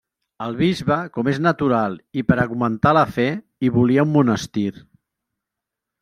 El bisbe, com és natural i per a augmentar la fe, hi volia un monestir.